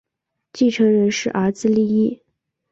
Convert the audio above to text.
继承人是儿子利意。